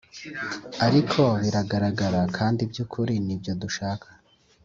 ariko biragaragara kandi byukuri nibyo dushaka;